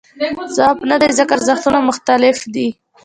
ځواب نه دی ځکه ارزښتونه مختلف دي.